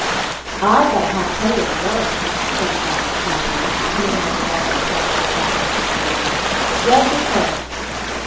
"I've got a halfpenny o' my own," said Bob, proudly, coming out of the water and tossing his halfpenny in the air. "Yeads or tails?"